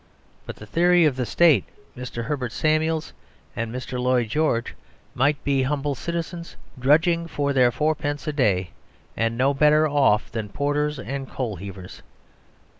By the theory of the State, Mr. Herbert Samuel and Mr. Lloyd George might be humble citizens, drudging for their fourpence a day; and no better off than porters and coal heavers.